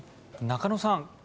中野さん